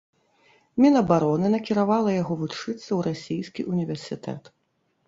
Мінабароны накіравала яго вучыцца ў расійскі ўніверсітэт.